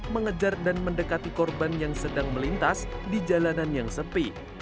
mengejar dan mendekati korban yang sedang melintas di jalanan yang sepi